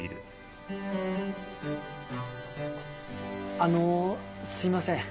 あのすみません。